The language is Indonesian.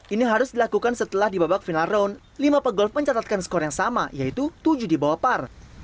ini harus dilakukan setelah di babak final round lima pegolf mencatatkan skor yang sama yaitu tujuh di bawah par